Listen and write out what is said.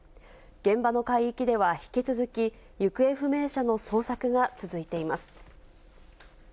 現場の海域では引き続き行方不明者の捜索が続いています。